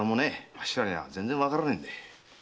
あっしらには全然わからねえんで。